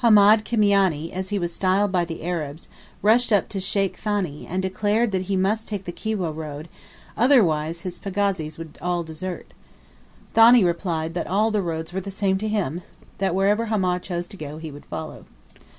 Hamed Kimiani, as he was styled by the Arabs, rushed up to Sheikh Thani, and declared that he must take the Kiwyeh road, otherwise his pagazis would all desert. Thani replied that all the roads were the same to him, that wherever Hamed chose to go, he would follow.